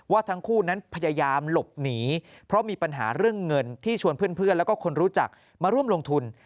ทั้งคู่นั้นพยายามหลบหนีเพราะมีปัญหาเรื่องเงินที่ชวนเพื่อนแล้วก็คนรู้จักมาร่วมลงทุน